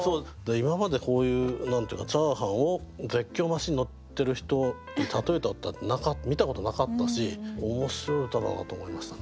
今までこういうチャーハンを絶叫マシンに乗ってる人に例えた歌見たことなかったし面白い歌だなと思いましたね